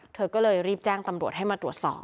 เธอก็เลยรีบแจ้งตำรวจให้มาตรวจสอบ